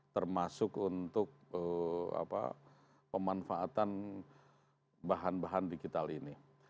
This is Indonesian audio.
termasuk untuk pemanfaatan bahan bahan digital ini